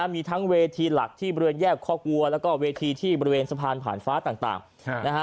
มีทั้งเวทีหลักที่บริเวณแยกคอกวัวแล้วก็เวทีที่บริเวณสะพานผ่านฟ้าต่างนะฮะ